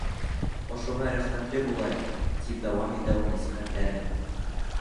Ошоға рәхмәтле булайыҡ, — тип дауам итә ул нәсихәттәрен.